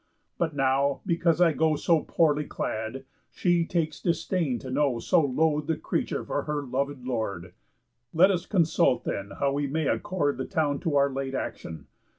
But now, because I go So poorly clad, she takes disdain to know So loath'd a creature for her lovéd lord. Let us consult, then, how we may accord The town to our late action.